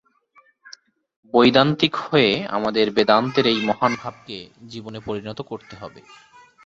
বৈদান্তিক হয়ে আমাদের বেদান্তের এই মহান ভাবকে জীবনে পরিণত করতে হবে।